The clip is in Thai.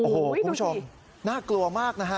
โอ้โหคุณผู้ชมน่ากลัวมากนะฮะ